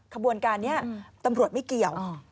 ขบวนการนี้ตำรวจไม่เกี่ยว